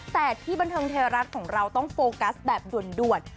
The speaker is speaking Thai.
แต่ที่บันเทิงไทยรัฐของเราต้องโฟกัสแบบด่วน